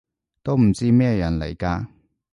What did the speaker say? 都唔知咩人嚟㗎